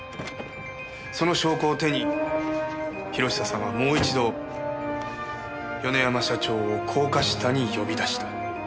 その証拠を手に博久さんはもう一度米山社長を高架下に呼び出した。